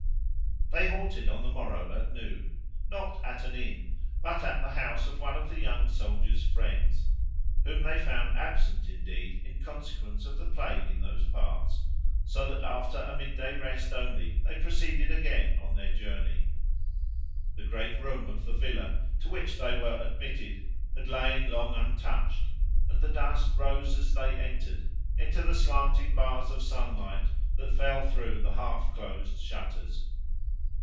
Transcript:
They halted on the morrow at noon, not at an inn, but at the house of one of the young soldier's friends, whom they found absent, indeed, in consequence of the plague in those parts, so that after a mid day rest only, they proceeded again on their journey. The great room of the villa, to which they were admitted, had lain long untouched; and the dust rose, as they entered, into the slanting bars of sunlight, that fell through the half closed shutters.